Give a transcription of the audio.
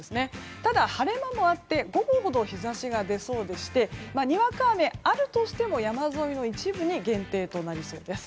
ただ、晴れ間もあって午後ほど日差しが出そうでしてにわか雨があるとしても山沿いの一部に限定となりそうです。